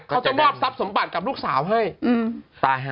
เขาจะมอบทรัพย์สมบัติกับลูกสาวให้ตายฮะ